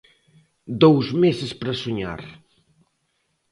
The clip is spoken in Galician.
Dous meses para soñar.